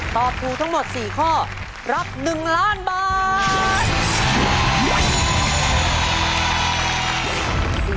ตอบถูกทั้งหมด๔ข้อรับ๑ล้านบาท